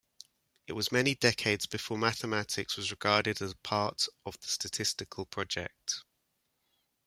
It was many decades before mathematics was regarded as part of the statistical project.